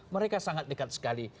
mereka sangat dekat sekali